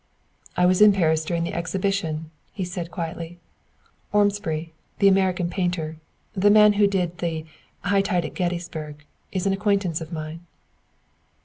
"I was in Paris during the exhibition," he said quietly. "Ormsby, the American painter the man who did the High Tide at Gettysburg is an acquaintance of mine."